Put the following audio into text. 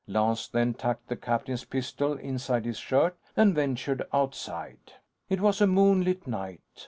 Lance then tucked the captain's pistol inside his shirt and ventured outside. It was a moonlit night.